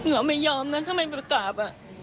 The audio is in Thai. เราไม่ยอมนะทำไมไปกราบ